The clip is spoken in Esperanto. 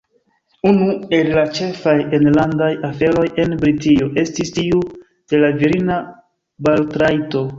Unu el la ĉefaj enlandaj aferoj en Britio estis tiu de la virina balotrajto.